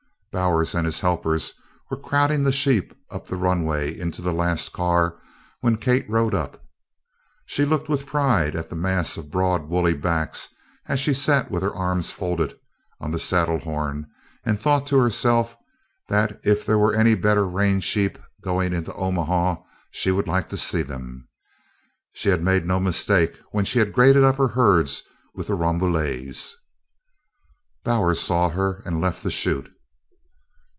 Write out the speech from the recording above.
Bowers and his helpers were crowding the sheep up the runway into the last car when Kate rode up. She looked with pride at the mass of broad woolly backs as she sat with her arms folded on the saddle horn and thought to herself that if there were any better range sheep going into Omaha she would like to see them. She had made no mistake when she had graded up her herds with Rambouillets. Bowers saw her and left the chute.